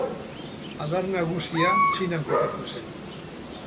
Adar nagusia Txinan kokatu zen.